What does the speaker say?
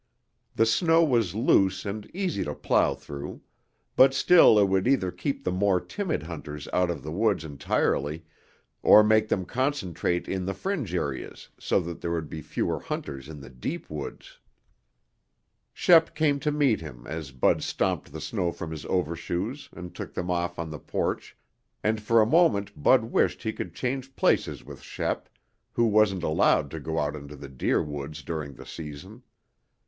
The snow was loose and easy to plow through. But still it would either keep the more timid hunters out of the woods entirely or make them concentrate in the fringe areas so that there would be fewer hunters in the deep woods. Shep came to meet him as Bud stomped the snow from his overshoes and took them off on the porch, and for a moment Bud wished he could change places with Shep, who wasn't allowed to go out into the deer woods during the season.